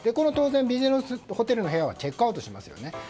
当然、ビジネスホテルの部屋はチェックアウトしますね。